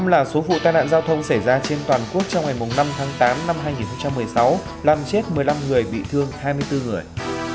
một mươi là số vụ tai nạn giao thông xảy ra trên toàn quốc trong ngày năm tháng tám năm hai nghìn một mươi sáu làm chết một mươi năm người bị thương hai mươi bốn người